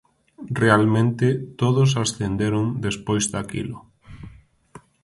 Realmente, todos ascenderon despois daquilo.